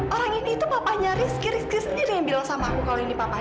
orang ini tuh papahnya rizky rizky sendiri yang bilang sama aku kalau ini papahnya